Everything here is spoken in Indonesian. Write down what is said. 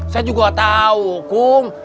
saya juga tau kum